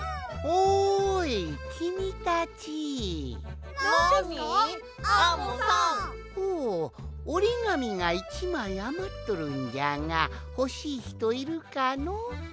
おおおりがみが１まいあまっとるんじゃがほしいひといるかの？